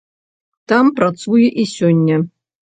Там працуе і сёння.